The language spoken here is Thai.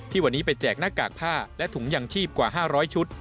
วันนี้ไปแจกหน้ากากผ้าและถุงยังชีพกว่า๕๐๐ชุด